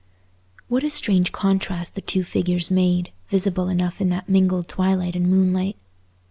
What a strange contrast the two figures made, visible enough in that mingled twilight and moonlight!